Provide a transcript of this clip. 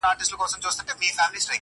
هغه بل پر جواهرو هنرونو!.